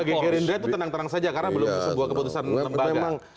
bagi gerindra itu tenang tenang saja karena belum sebuah keputusan lembaga